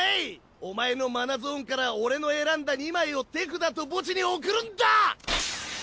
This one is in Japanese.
お前のマナゾーンから俺の選んだ２枚を手札と墓地に送るんだ！